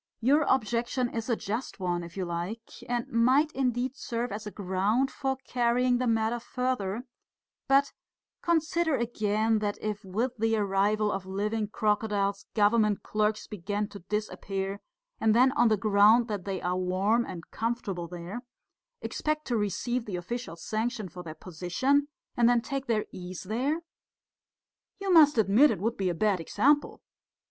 "Your objection is a just one, if you like, and might indeed serve as a ground for carrying the matter further; but consider again, that if with the arrival of living crocodiles government clerks begin to disappear, and then on the ground that they are warm and comfortable there, expect to receive the official sanction for their position, and then take their ease there ... you must admit it would be a bad example.